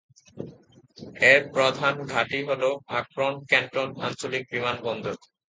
এর প্রধান ঘাঁটি হল আকরন-ক্যান্টন আঞ্চলিক বিমানবন্দর।